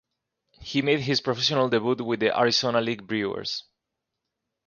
He made his professional debut with the Arizona League Brewers.